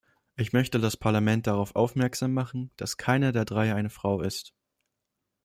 Ich möchte das Parlament darauf aufmerksam machen, dass keiner der drei eine Frau ist.